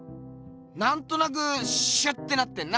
なんとなくシュッてなってんな。